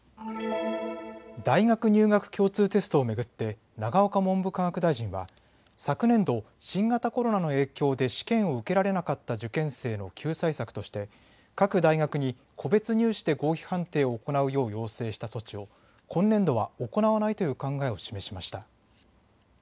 大学入学共通テストを巡って永岡文部科学大臣は昨年度、新型コロナの影響で試験を受けられなかった受験生の救済策として、各大学に個別入試で合否判定を行うよう要請した措置を今年度は行わないという考えを示しました。